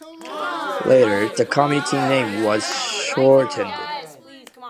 Later, the community name was shortened.